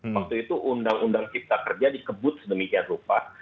waktu itu undang undang cipta kerja dikebut sedemikian rupa